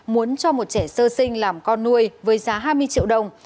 muốn cho một trẻ sơ sinh làm con nuôi với giá hai mươi triệu đồng